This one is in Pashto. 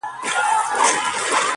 ساقي نوې مي توبه کړه ډک جامونه ښخومه!!